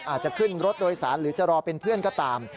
อาจจะขึ้นรถโดยสารหรือจะรอเป็นเพื่อนก็ตาม